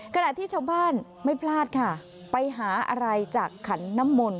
ขณะที่ชาวบ้านไม่พลาดค่ะไปหาอะไรจากขันน้ำมนต